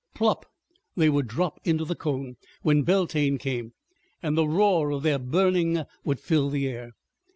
"Plup!" they would drop into the cone when Beltane came, and the roar of their burning would fill the air.